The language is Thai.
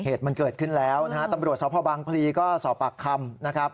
เหตุมันเกิดขึ้นแล้วนะฮะตำรวจสพบางพลีก็สอบปากคำนะครับ